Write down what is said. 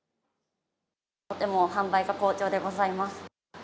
とても販売が好調でございます。